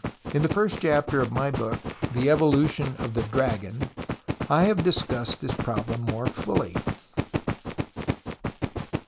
In the first chapter of my book IVie Evolu tion of the Dragon, I have discussed this pro blem more fully.